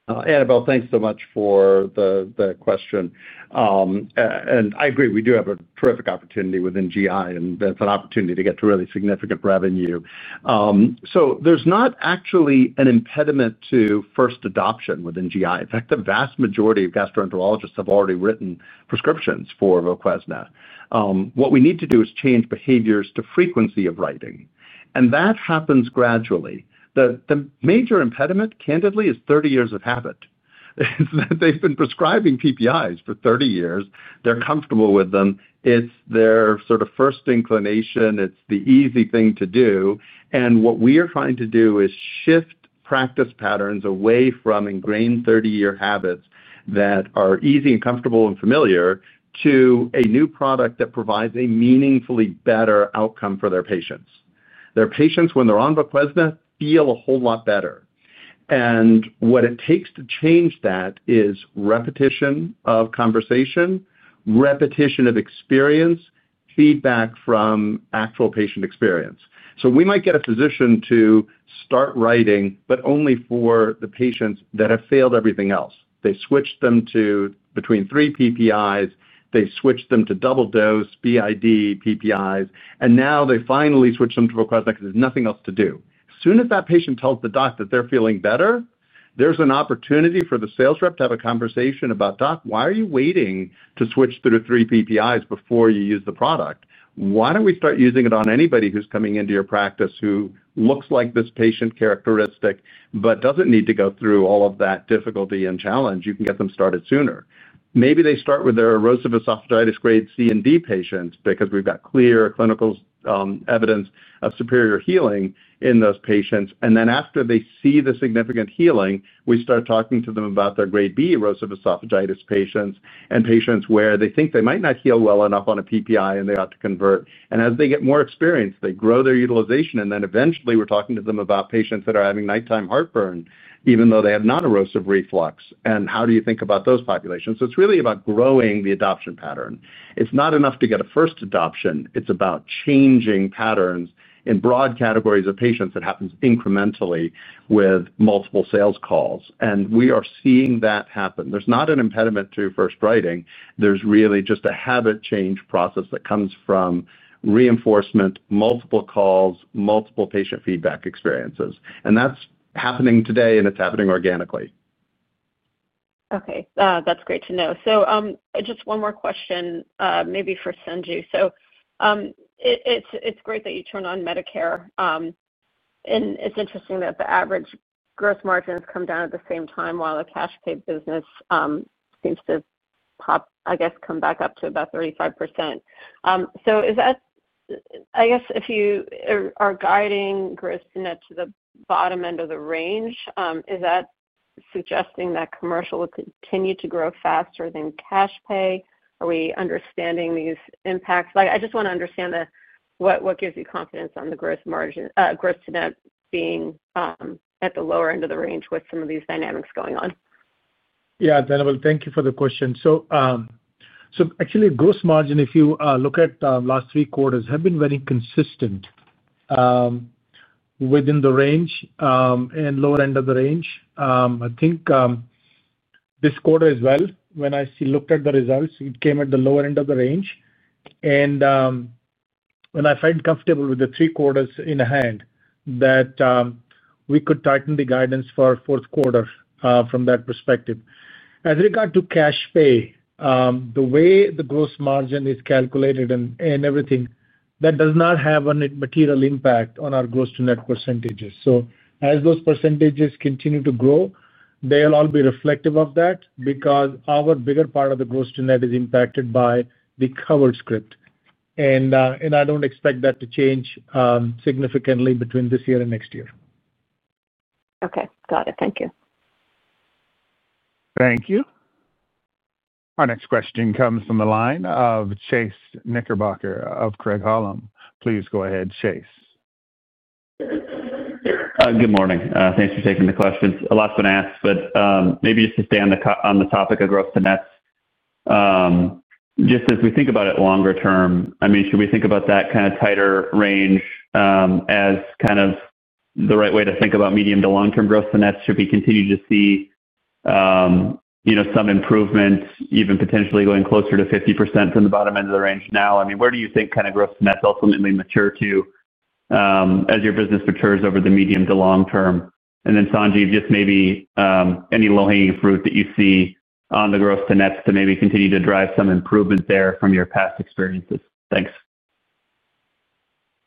Annabel, thanks so much for the question. I agree we do have a terrific opportunity within GI and that's an opportunity to get to really significant revenue. There's not actually an impediment to first adoption within GI. In fact, the vast majority of gastroenterologists have already written prescriptions for VOQUEZNA. What we need to do is change behaviors to frequency of writing and that happens gradually. The major impediment, candidly, is 30 years of habit. They've been prescribing PPIs for 30 years. They're comfortable with them, it's their sort of first inclination. It's the easy thing to do. What we are trying to do is shift practice patterns away from ingrained 30-year habits that are easy and comfortable and familiar to a new product that provides a meaningfully better outcome for their patients. Their patients, when they're on VOQUEZNA, feel a whole lot better. What it takes to change that is repetition of conversation, repetition of experience, feedback from actual patient experience. We might get a physician to start writing, but only for the patients that have failed everything else. They switched them to between three PPIs, they switched them to double dose BID PPIs, and now they finally switched them to VOQUEZNA because there's nothing else to do. As soon as that patient tells the doc that they're feeling better, there's an opportunity for the sales rep to have a conversation about, "Doc, why are you waiting to switch through three PPIs before you use the product? Why don't we start using it on anybody who's coming into your practice who looks like this patient characteristic but doesn't need to go through all of that difficulty and challenge? You can get them started sooner." Maybe they start with their erosive esophagitis grade C and D patients because we've got clear clinical evidence of superior healing in those patients. After they see the significant healing, we start talking to them about their grade B erosive esophagitis patients and patients where they think they might not heal well enough on a PPI and they ought to convert. As they get more experience, they grow their utilization and then eventually we're talking to them about patients that are having nighttime heartburn even though they have non-erosive reflux and how do you think about those populations? It's really about growing the adoption pattern. It's not enough to get a first adoption. It's about changing patterns in broad categories of patients. That happens incrementally with multiple sales calls. We are seeing that happen. There's not an impediment to first writing. There's really just a habit change process that comes from reinforcement, multiple calls, multiple patient feedback experiences. That's happening today and it's happening organically.
Okay, that's great to know. Just one more question maybe for Sanjeev. It's great that you turn on Medicare, and it's interesting that the average gross margins come down at the same time while the cash pay business seems to, I guess, come back up to about 35%. If you are guiding gross to the bottom end of the range, is that suggesting that commercial will continue to grow faster than cash pay? Are we understanding these impacts? I just want to understand what gives you confidence on the gross-to-net being at the lower end of the range with some of these dynamics going on?
Thank you for the question. Actually, gross margin, if you look at the last three quarters, has been very consistent within the range and lower end of the range. I think this quarter as well, when I looked at the results, it came at the lower end of the range. I find comfortable with the three quarters in hand that we could tighten the guidance for fourth quarter from that perspective. As regard to cash pay, the way the gross margin is calculated and everything, that does not have a material impact on our gross-to-net percentages. As those percentages continue to grow, they'll all be reflective of that because our bigger part of the gross-to-net is impacted by the covered script. I don't expect that to change significantly between this year and next year.
Okay, got it. Thank you.
Thank you. Our next question comes from the line of Chase Knickerbocker of Craig-Hallum. Please go ahead. Chase,
good morning. Thanks for taking the questions. A lot's been asked. Just to stay on the topic of growth today, and that's just as we think about it, longer term, should we think about that kind of tighter range as kind of the right way to think about medium to long term gross, should we continue to see some improvement even potentially going closer to 50% from the bottom end of the range now? Where do you think kind of gross-to-net ratio ultimately matures to as your business matures over the medium to long term? Sanjeev, just maybe any low hanging fruit that you see on the gross-to-net ratio to maybe continue to drive some improvement there from your past experiences. Thanks.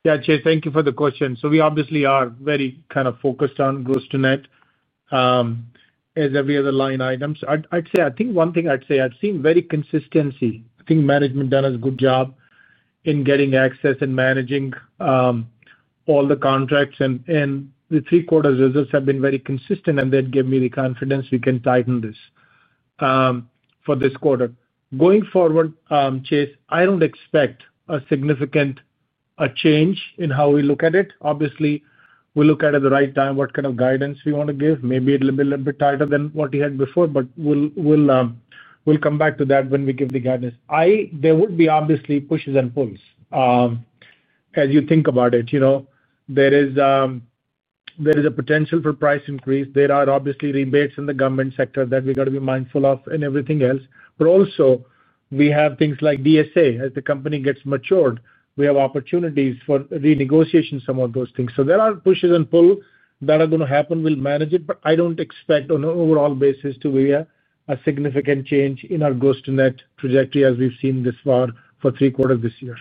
Yeah, Chase, thank you for the question. We obviously are very kind of focused on gross-to-net as every other line item. I'd say I think one thing I'd say, I've seen very consistency. I think management has done a good job in getting access and managing all the contracts, and the Q3 results have been very consistent, and that gave me the confidence we can tighten this for this quarter going forward. Chase, I don't expect a significant change in how we look at it. Obviously, we look at, at the right time, what kind of guidance we want to give. Maybe a little bit tighter than what we had before, but we'll come back to that when we give the guidance. There would be obviously pushes and pulls as you think about it. There is a potential for price increase. There are obviously rebates in the government sector that we got to be mindful of and everything else. Also, we have things like DSA as the company gets matured, we have opportunities for renegotiation, some of those things. There are pushes and pulls that are going to happen. We'll manage it. I don't expect on an overall basis to be a significant change in our gross-to-net trajectory as we've seen this far for Q3 this year.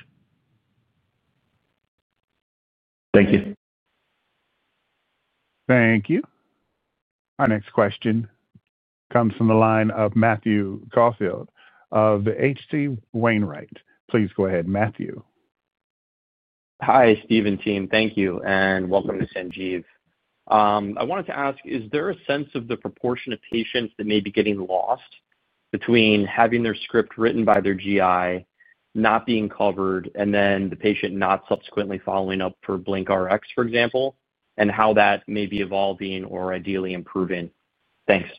Thank you.
Thank you. Our next question comes from the line of Matthew Caufield of H.C. Wainwright. Please go ahead, Matthew.
Hi Steve and team. Thank you and welcome to Sanjeev. I wanted to ask is there a sense of the proportion of patients that may be getting lost between having their script written by their GI not being covered and then the patient not subsequently following up for BlinkRx for example, and how that may be evolving or ideally improving. Thanks.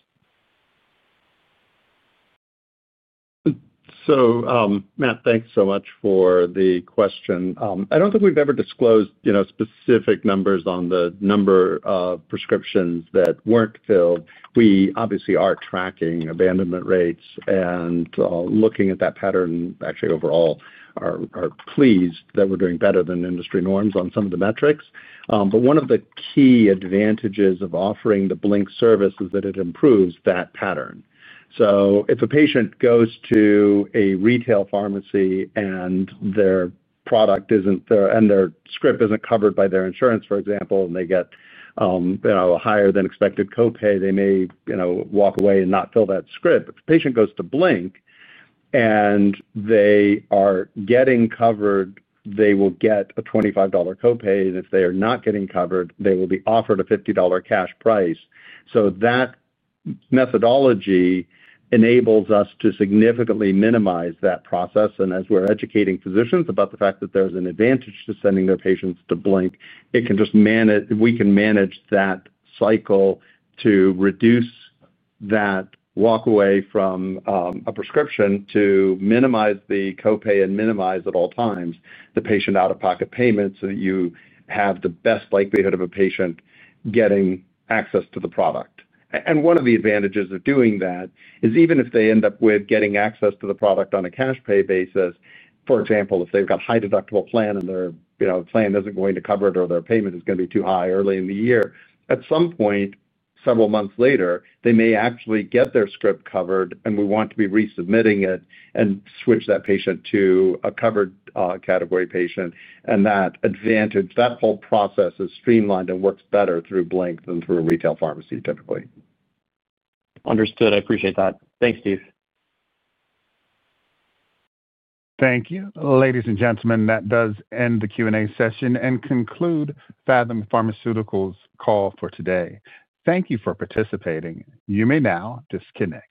Matt, thanks so much for the question. I don't think we've ever disclosed specific numbers on the number of prescriptions that weren't filled. We obviously are tracking abandonment rates and looking at that pattern. Actually, overall, we're pleased that we're doing better than industry norms on some of the metrics. One of the key advantages of offering the Blink service is that it improves that pattern. If a patient goes to a retail pharmacy and their product isn't there and their script isn't covered by their insurance, for example, and they get a higher than expected copay, they may walk away and not fill that script. If the patient goes to Blink and they are getting covered, they will get a $25 copay. If they are not getting covered, they will be offered a $50 cash price. That methodology enables us to significantly minimize that process. As we're educating physicians about the fact that there's an advantage to sending their patients to Blink, we can manage that cycle to reduce that walk away from a prescription, to minimize the copay and minimize at all times the patient out-of-pocket payment so that you have the best likelihood of a patient getting access to the product. One of the advantages of doing that is even if they end up with getting access to the product on a cash pay basis, for example, if they've got a high deductible plan and their plan isn't going to cover it, or their payment is going to be too high early in the year, at some point several months later, they may actually get their script covered and we want to be resubmitting it and switch that patient to a covered category patient. That advantage, that whole process is streamlined and works better through Blink than through a retail pharmacy typically.
Understood. I appreciate that. Thanks, Steve.
Thank you, ladies and gentlemen. That does end the Q&A session and conclude the Phathom Pharmaceuticals call for today. Thank you for participating. You may now disconnect.